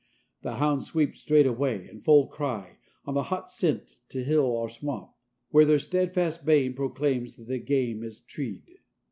The hounds sweep straight away, in full cry, on the hot scent to hill or swamp, where their steadfast baying proclaims that the game is treed.